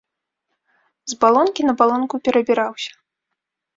З балонкі на балонку перабіраўся.